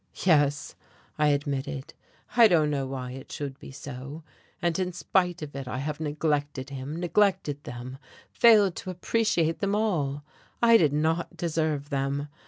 "Yes," I admitted. "I don't know why it should be so. And in spite of it, I have neglected him, neglected them, failed to appreciate them all. I did not deserve them.